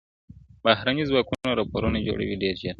بهرني ځواکونه راپورونه جوړوي ډېر ژر,